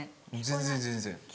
全然全然。